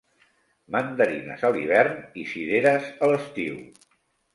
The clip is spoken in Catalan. Mandarines a l'hivern i cireres a l'estiu.